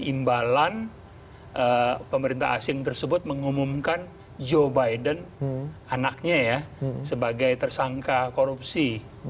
imbalan pemerintah asing tersebut mengumumkan joe biden anaknya ya sebagai tersangka korupsi